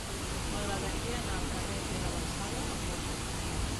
M'agradaria anar al carrer de L'Avançada amb moto.